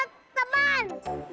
kita semua teman